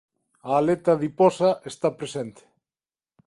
A aleta adiposa está presente.